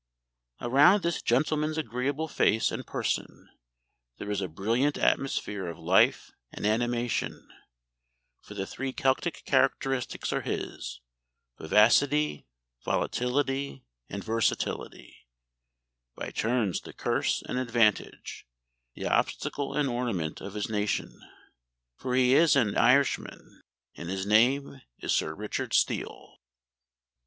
Around this gentleman's agreeable face and person there is a brilliant atmosphere of life and animation, for the three Celtic characteristics are his vivacity, volatility, and versatility, by turns the curse and advantage, the obstacle and ornament of his nation, for he is an Irishman, and his name is Sir Richard Steele."